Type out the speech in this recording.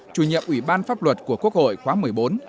chủ nhiệm ủy ban pháp luật của quốc hội khóa một mươi bốn